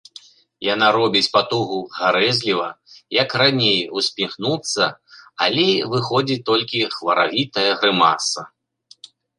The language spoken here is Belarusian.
Яна робіць патугу гарэзліва, як раней, усміхнуцца, але выходзіць толькі хваравітая грымаса.